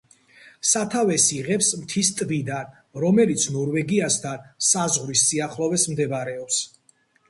სათავეს იღებს მთის ტბიდან, რომელიც ნორვეგიასთან საზღვრის სიახლოვეს მდებარეობს.